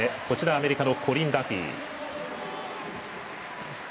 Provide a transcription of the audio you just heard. アメリカのコリン・ダフィー。